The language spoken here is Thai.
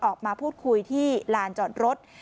ออกมาพูดคุยที่ลานจอดรถ